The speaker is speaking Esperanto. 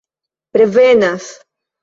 revenas